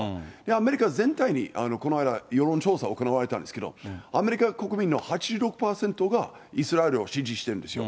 アメリカ全体にこの間世論調査が行われたんですけど、アメリカ国民の８６％がイスラエルを支持してるんですよ。